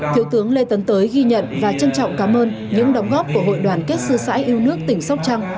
thiếu tướng lê tấn tới ghi nhận và trân trọng cảm ơn những đóng góp của hội đoàn kết sư sãi yêu nước tỉnh sóc trăng